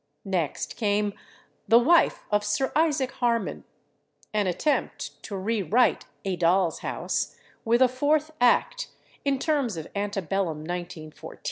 Next came "The Wife of Sir Isaac Harman," an attempt to rewrite "A Doll's House" (with a fourth act) in terms of ante bellum 1914.